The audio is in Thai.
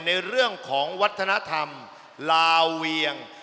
ในเรื่องของวัฒนธรรมลาเวียง